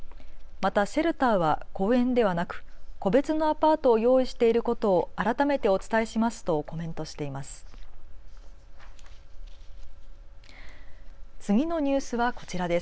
またシェルターは公園ではなく個別のアパートを用意していることを改めてお伝えしますとコメントしています。